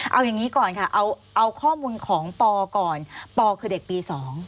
เอาอย่างนี้ก่อนค่ะเอาข้อมูลของปอก่อนปอคือเด็กปี๒